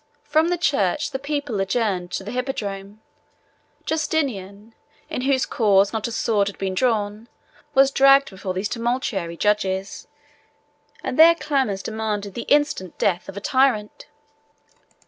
From the church the people adjourned to the hippodrome: Justinian, in whose cause not a sword had been drawn, was dragged before these tumultuary judges, and their clamors demanded the instant death of the tyrant.